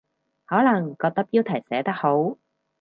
可能覺得標題寫得好